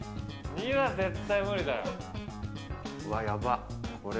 ２は絶対無理だよ。